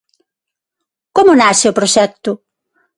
Como nace o proxecto?